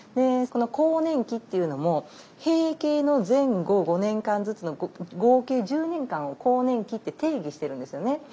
この更年期っていうのも閉経の前後５年間ずつの合計１０年間を更年期って定義してるんですよね。